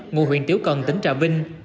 ngụ huyện tiếu cần tỉnh trà vinh